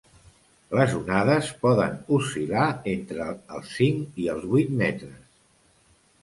Les onades poden oscil·lar entre els cinc i els vuit metres.